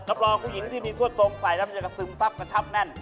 นับรองผู้หญิงที่มีข์ส่วนสองใสใสก็จะซึมซับกระชับแน่น